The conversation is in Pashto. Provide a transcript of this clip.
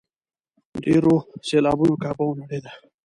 ډېرو سېلابونو کعبه ونړېده.